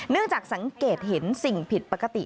จากสังเกตเห็นสิ่งผิดปกติ